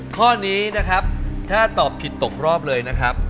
ข้อนี้นะครับถ้าตอบผิดตกรอบเลยนะครับ